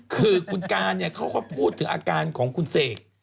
คือคุณการเนี่ยเขาก็พูดถึงอาการของคุณเสก